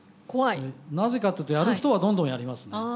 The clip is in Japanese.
なぜかって言うとやる人はどんどんやりますね。